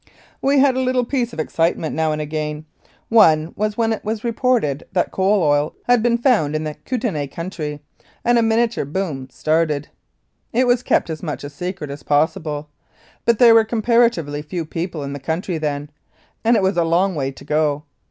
We had a little piece of excitement now and again. One was when it was reported that coal oil had been found in the Kootenay country, and a miniature boom started. It was kept as much a secret as possible, but there were comparatively few people in the country then, and it was a long way to go.